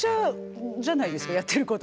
やってること。